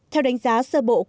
theo đánh giá sơ bộ